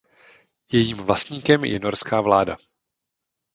Jejím vlastníkem je norská vláda.